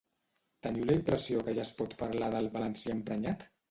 Teniu la impressió que ja es pot parlar del ‘valencià emprenyat’?